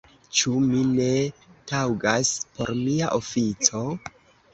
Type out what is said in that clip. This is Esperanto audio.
Ĉu mi ne taŭgas por mia ofico?